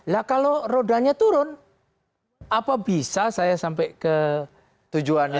lah kalau rodanya turun apa bisa saya sampai ke tujuan